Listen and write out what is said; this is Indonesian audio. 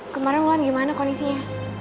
kemarin mulan gimana kondisinya